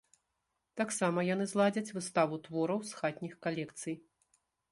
Таксама яны зладзяць выставу твораў з хатніх калекцый.